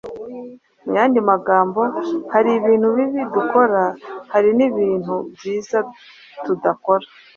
Mu yandi magambo, hari ibintu bibi dukora, hari n’ibintu byiza tudakora.